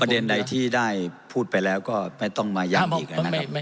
เด็นใดที่ได้พูดไปแล้วก็ไม่ต้องมาย้ำอีกนะครับ